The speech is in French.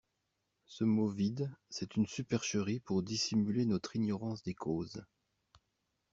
Ce mot vide c'est une supercherie pour dissimuler notre ignorance des causes!